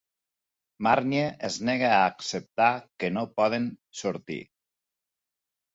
Marnie es nega a acceptar que no poden sortir.